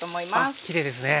きれいですね。